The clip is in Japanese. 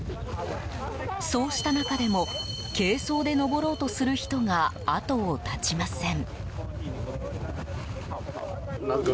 そうした中でも軽装で登ろうとする人が後を絶ちません。